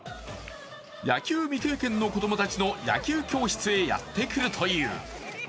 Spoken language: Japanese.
野球未経験の子供たちの野球教室にやってくるという。